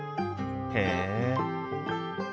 へえ！